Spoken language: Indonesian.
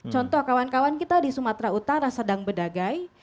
contoh kawan kawan kita di sumatera utara sedang berdagai